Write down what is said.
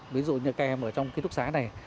ví dụ như kèm ở trong ký túc xá này